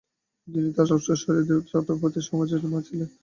তিনি তার স্বামীর উত্তরসূরি এবং দ্বিতীয় ছত্রপতি সম্ভাজির মা ছিলেন।